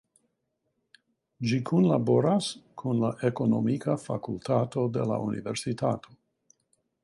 Ĝi kunlaboras kun la ekonomika fakultato de la universitato.